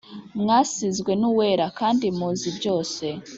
mwasizwe n'Uwera, kandi muzi byose.